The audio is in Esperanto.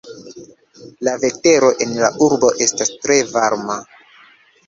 La vetero en la urbo estas tre varma.